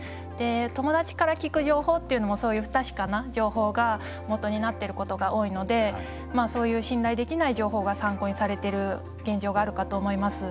友達から聞く情報というのもそういう不確かな情報がもとになっていることが多いのでそういう信頼できない情報が参考にされてる現状があるかと思います。